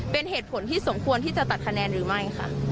เป็นเหตุผลที่สมควรที่จะตัดคะแนนหรือไม่ค่ะ